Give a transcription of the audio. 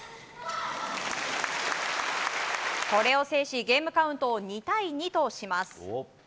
これを制し、ゲームカウントを２対２とします。